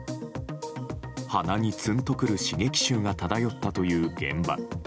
鼻にツンと来る刺激臭が漂ったという現場。